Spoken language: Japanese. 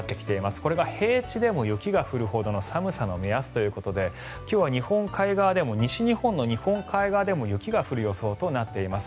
これが平地でも雪が降るほどの寒さの目安ということで今日は日本海側でも西日本の日本海側でも雪が降る予想となっています。